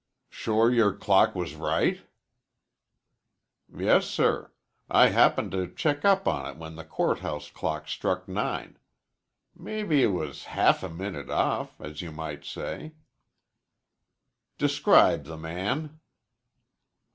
"Sure your clock was right?" "Yes, sir. I happened to check up on it when the court house clock struck nine. Mebbe it was half a minute off, as you might say." "Describe the man."